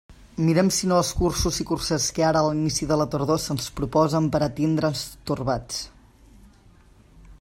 Mirem si no els cursos i cursets que ara a l'inici de la tardor se'ns proposen per a tindre'ns torbats.